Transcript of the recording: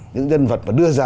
những nhân vật mà đưa ra